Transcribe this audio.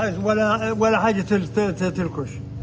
tidak ada yang bisa ditolak